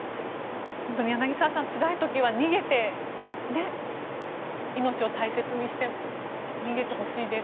本当に柳澤さんつらい時は逃げて命を大切にして逃げてほしいです。